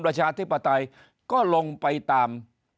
ประชาธิปไตยก็ลงไปตาม